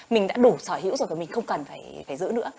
mình đã đủ sở hữu rồi mình không cần phải giữ nữa